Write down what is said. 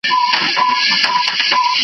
هر نسل نوی بدلون راولي.